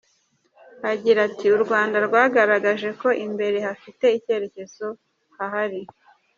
Agira ati “U Rwanda rwagaragaje ko imbere hafite icyerekezo hahari.